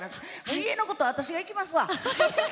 家のことは私が行きますわ。